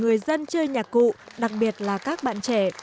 người dân chơi nhạc cụ đặc biệt là các bạn trẻ